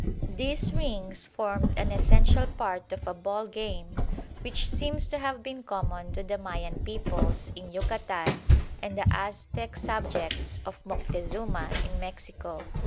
These rings formed an essential part of a ball game, which seems to have been common to the Mayan peoples in Yucatan and the Aztec subjects of Moctezuma in Mexico.